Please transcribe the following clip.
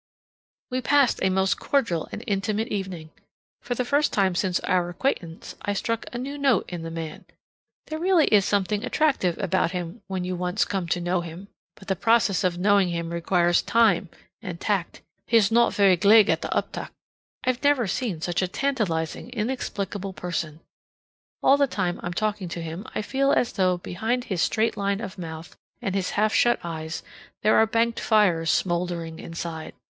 We passed a most cordial and intimate evening. For the first time since our acquaintance I struck a new note in the man. There really is something attractive about him when you once come to know him. But the process of knowing him requires time and tact. He's no' very gleg at the uptak. I've never seen such a tantalizing inexplicable person. All the time I'm talking to him I feel as though behind his straight line of a mouth and his half shut eyes there were banked fires smoldering inside.